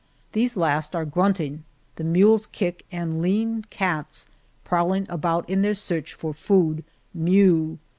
These last are grunting, the mules kick, and lean cats, prowling about in their search for food, mew.